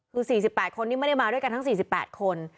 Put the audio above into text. คือ๔๘คนนี้ไม่ได้มาด้วยกันทั้ง๔๘คน